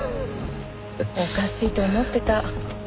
おかしいと思ってた。